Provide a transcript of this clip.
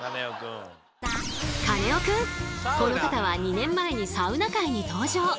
カネオくんこの方は２年前に「サウナ」回に登場。